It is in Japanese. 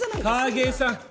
影さん！